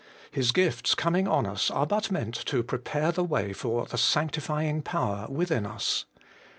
His gifts coming on us are but meant to prepare the way for the sanctifying power within us.